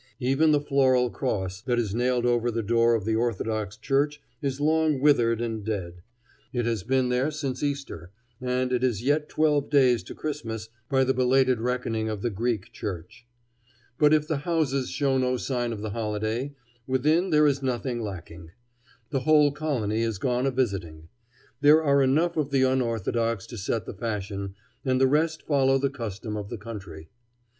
Even the floral cross that is nailed over the door of the Orthodox church is long withered and dead: it has been there since Easter, and it is yet twelve days to Christmas by the belated reckoning of the Greek Church. But if the houses show no sign of the holiday, within there is nothing lacking. The whole colony is gone a visiting. There are enough of the unorthodox to set the fashion, and the rest follow the custom of the country.